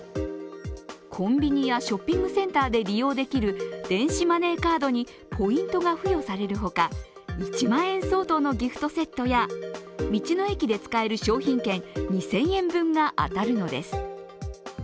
コンビニやショッピングセンターで利用できる電子マネーカードにポイントが付与されるほか１万円相当のギフトセットや道の駅で使える商品券２０００円分が当たるのです。